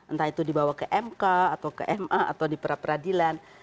entah itu dibawa ke mk atau ke ma atau di peradilan